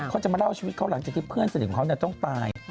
เขาจะมาเล่าชีวิตเขาหลังจากที่เพื่อนสนิทของเขาต้องตาย